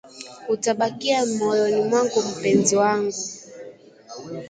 Utabakia moyoni mwangu mpenzi wangu